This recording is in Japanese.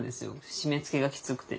締めつけがきつくて。